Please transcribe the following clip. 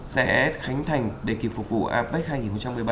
sẽ khánh thành để kịp phục vụ apec hai nghìn một mươi bảy